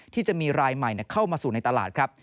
ที่จะมีรายใหม่เข้ามาสู่ในตลาดครับ